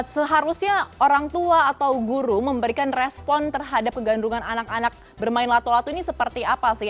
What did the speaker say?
seharusnya orang tua atau guru memberikan respon terhadap kegandungan anak anak bermain lato lato ini seperti apa sih